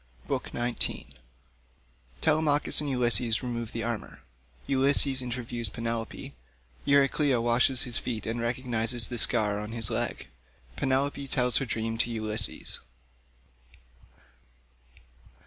BOOK XIX TELEMACHUS AND ULYSSES REMOVE THE ARMOUR—ULYSSES INTERVIEWS PENELOPE—EURYCLEA WASHES HIS FEET AND RECOGNISES THE SCAR ON HIS LEG—PENELOPE TELLS HER DREAM TO ULYSSES.